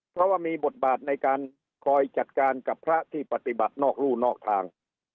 เพราะว่ามีบทบาทในการคอยจัดการกับพระที่ปฏิบัตินอกรู่นอกทาง